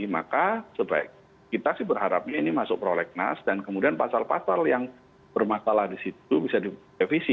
maka sebaik kita sih berharapnya ini masuk prolegnas dan kemudian pasal pasal yang bermasalah di situ bisa direvisi